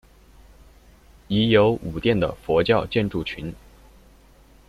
已有五殿的佛教建筑群。